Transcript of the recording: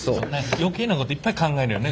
余計なこといっぱい考えるよね